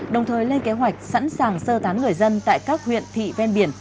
đồng thời lên kế hoạch sẵn sàng sơ tán người dân tại các huyện thị ven biển